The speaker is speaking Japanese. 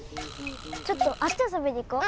ちょっとあっちあそびにいこう。